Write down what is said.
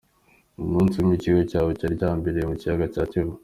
Umunsi umwe ikigo cyabo cyari cyarembereye ku Kiyaga cya Kivu.